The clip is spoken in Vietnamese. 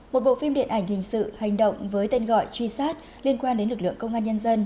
một bộ phim điện ảnh hình sự hành động với tên gọi truy sát liên quan đến lực lượng công an nhân dân